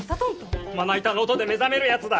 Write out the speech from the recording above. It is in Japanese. まな板の音で目覚めるやつだ。